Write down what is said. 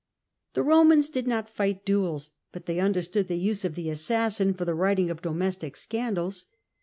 The Romans did not light duels, but they understood the use of the assassin for the righting of domestic scandals.